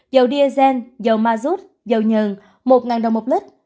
dầu diesel dầu mazut dầu nhờn một đồng một lít